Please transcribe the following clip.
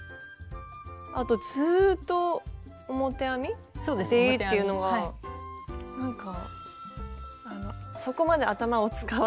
あとずっと表編み？でいいっていうのがなんかそこまで頭を使わずというか。